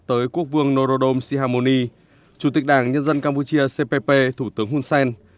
tới quốc vương norodom sihamoni chủ tịch đảng nhân dân campuchia cpp thủ tướng hun sen